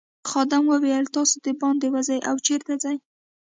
خادم وویل تاسي دباندې وزئ او چیرته ځئ.